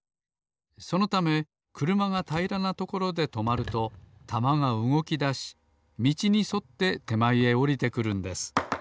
そのためくるまがたいらなところでとまるとたまがうごきだしみちにそっててまえへおりてくるんです。